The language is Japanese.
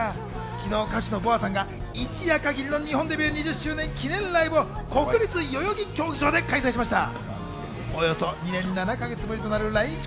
昨日、歌手のＢｏＡさんが一夜限りの日本デビュー２０周年記念ライブを国立代々木競技場で開催しました。